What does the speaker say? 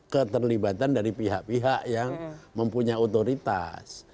keterlibatan dari pihak pihak yang mempunyai otoritas